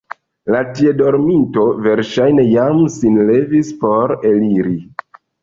La tie dorminto verŝajne jam sin levis por eliri.